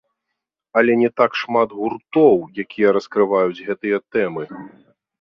Але не так шмат гуртоў, якія раскрываюць гэтыя тэмы.